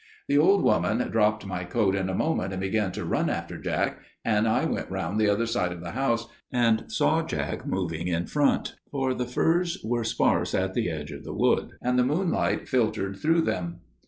"The old woman dropped my coat in a moment, and began to run after Jack, and I went round the other side of the house and saw Jack moving in front, for the firs were sparse at the edge of the wood, and the moonlight filtered through them.